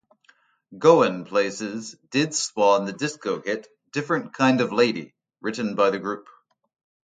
"Goin' Places" did spawn the disco-hit "Different Kind of Lady" written by the group.